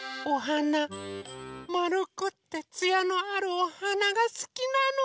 まるくってつやのあるおはながすきなの。